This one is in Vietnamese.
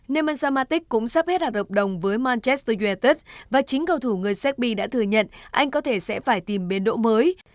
neymar zamatik cũng sắp hết hạt hợp đồng với manchester united và chính cầu thủ người sheffield đã thừa nhận anh có thể sẽ phải tìm biến độ mới